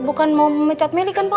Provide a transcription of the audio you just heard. bukan mau memecat meli kan pak